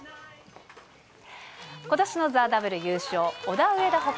ことしのＴＨＥＷ優勝、オダウエダほか、